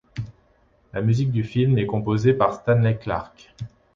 La musique du film est composée par Stanley Clarke.